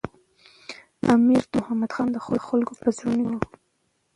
امیر دوست محمد خان د خلکو په زړونو کي و.